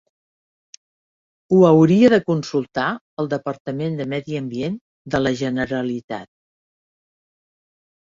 Ho hauria de consultar al Departament de Medi Ambient de la Generalitat.